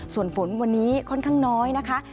ส่วนฝนวันนี้ค่อนข้างน้อยนะคะ